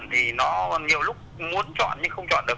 thì nó nhiều lúc muốn chọn nhưng không chọn được